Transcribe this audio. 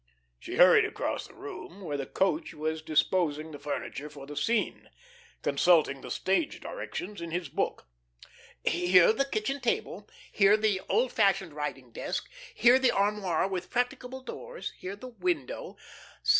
She hurried across the room, where the coach was disposing the furniture for the scene, consulting the stage directions in his book: "Here the kitchen table, here the old fashioned writing desk, here the armoire with practicable doors, here the window.